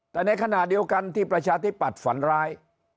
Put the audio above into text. แต่ในขณะเดียวกันที่ประชาธิปัตย์ฝันร้าย